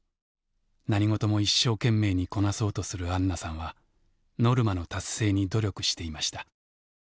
何事も一生懸命にこなそうとするあんなさんはノルマの達成に努力していました。